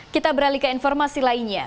kita beralih ke informasi lainnya